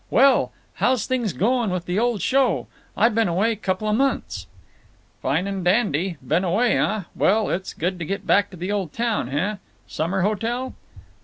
Well, how's things going with the old show?… I been away couple of months." "Fine and dandy! Been away, uh? Well, it's good to get back to the old town, heh? Summer hotel?"